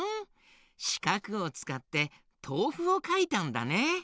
しかくをつかってとうふをかいたんだね。